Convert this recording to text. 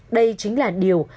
đây chính là điều